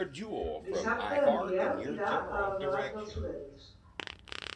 Dissabte en Biel irà a Albalat dels Sorells.